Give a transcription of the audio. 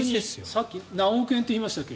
さっき何億円って言いましたっけ？